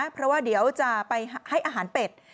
เพราะว่าเดี๋ยวจะไปให้อาหารเป็ด